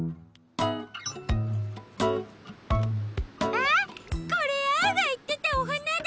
あっこれアオがいってたおはなだ！